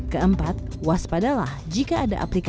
keempat waspadalah jika ada aplikasi yang terpercaya